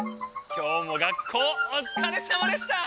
今日も学校おつかれさまでした！